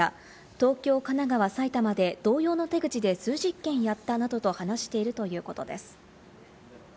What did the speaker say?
東京、神奈川、埼玉で同様の手口で数十件やったなどと話しているということです。